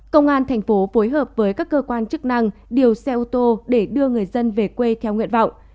công an thành phố phối hợp với các cơ quan chức năng điều xe ô tô để đưa người dân về quê theo nguyện vọng